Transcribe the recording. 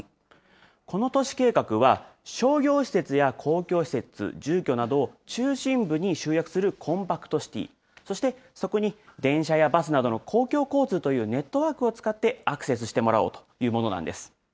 この都市計画は、商業施設や公共施設、住居などを中心部に集約するコンパクトシティ、そして、そこに電車やバスなどの公共交通というネットワークを使ってアクセスしてもらおうというものなんです。